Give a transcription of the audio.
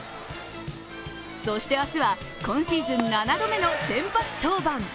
そして、明日は今シーズン７度目の先発登板。